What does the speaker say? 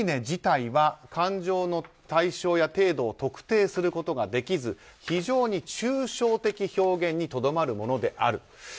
自体は感情の対象や程度を特定することができず非常に抽象的表現にとどまるものである。